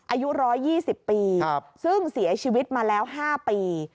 อายุ๑๒๐ปีซึ่งเสียชีวิตมาแล้ว๕ปี